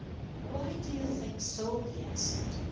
"Why do you think so?" he asked.